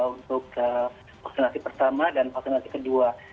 untuk vaksinasi pertama dan vaksinasi kedua